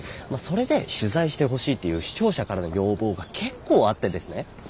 それで取材してほしいっていう視聴者からの要望が結構あってですね